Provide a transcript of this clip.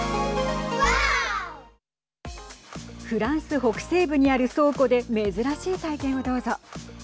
フランス北西部にある倉庫で珍しい体験をどうぞ。